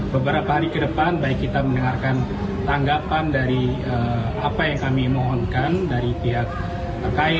beberapa hari ke depan baik kita mendengarkan tanggapan dari apa yang kami mohonkan dari pihak terkait